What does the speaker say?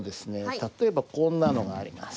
例えばこんなのがあります。